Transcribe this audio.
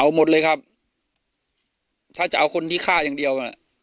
เอาหมดเลยครับถ้าจะเอาคนที่ฆ่าอย่างเดียวน่ะ